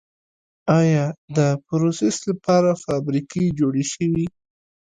آیا دپروسس لپاره فابریکې جوړې شوي؟